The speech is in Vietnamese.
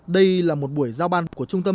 đây là một buổi giao ban của trung tâm